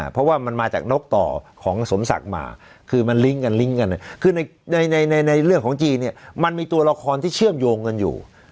เพราะว่ามันมาจากนกต่อของสมศักดิ์มาคือมันลิงก์กันลิงก์กันคือในเรื่องของจีนเนี่ยมันมีตัวละครที่เชื่อมโยงกันอยู่